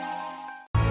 di situ ada bk lagi